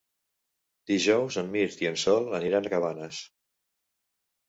Dijous en Mirt i en Sol aniran a Cabanes.